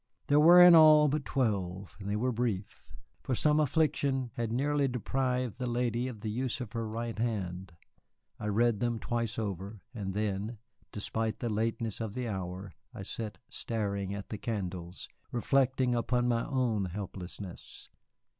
There were in all but twelve, and they were brief, for some affliction had nearly deprived the lady of the use of her right hand. I read them twice over, and then, despite the lateness of the hour, I sat staring at the candles, reflecting upon my own helplessness.